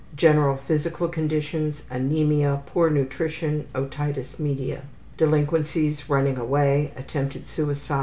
General physical conditions: Anemia, poor nutrition, otitis media. Delinquencies: Mentality: Running away. Poor ability; Attempted suicide.